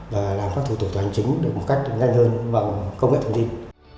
các thủ tủ toàn chính được một cách nhanh hơn vào công nghệ thông tin